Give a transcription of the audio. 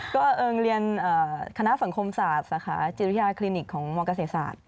ก็เอิงเรียนคณะสังคมศาสตร์สาขาจิตวิทยาคลินิกของมเกษตรศาสตร์